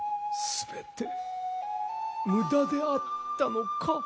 全て無駄であったのか？